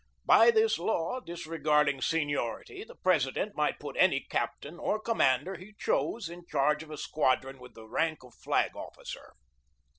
By this law, disregard ing seniority, the President might put any captain or commander he chose in charge of a squadron with the rank of flag officer.